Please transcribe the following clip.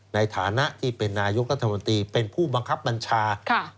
ในฐานะที่เป็นนายกรัฐมนตรีเป็นผู้บังคับบัญชา